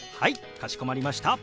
かしこまりました。